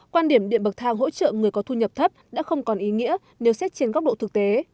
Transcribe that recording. quan điểm điện bậc thang hỗ trợ người có thu nhập thấp đã không còn ý nghĩa nếu xét trên góc độ thực tế